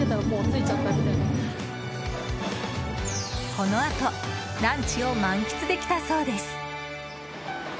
このあとランチを満喫できたそうです。